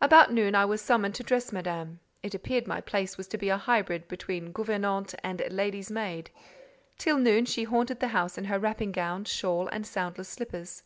About noon, I was summoned to dress Madame. (It appeared my place was to be a hybrid between gouvernante and lady's maid.) Till noon, she haunted the house in her wrapping gown, shawl, and soundless slippers.